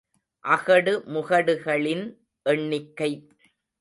அகடு முகடுகளின் எண்ணிக்கை.